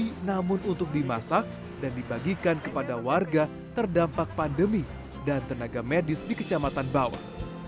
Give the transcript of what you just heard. udiono juga memasaknya untuk dimasak dan dibagikan kepada warga terdampak pandemi dan tenaga medis di kecamatan bawang